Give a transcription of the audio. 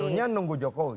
satunya menunggu jokowi